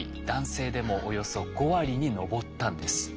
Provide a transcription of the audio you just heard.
男性でもおよそ５割に上ったんです。